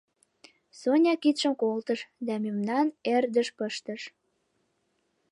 Соня кидшым колтыш да мемнан эрдыш пыштыш.